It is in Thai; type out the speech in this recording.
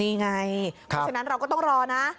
นี่ไงฉะนั้นเราก็ต้องรอนะ